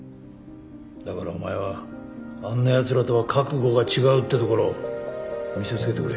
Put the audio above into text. だからお前はあんなヤツらとは覚悟が違うってところを見せつけてくれ。